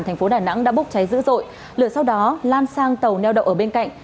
thành phố đà nẵng đã bốc cháy dữ dội lửa sau đó lan sang tàu neo đậu ở bên cạnh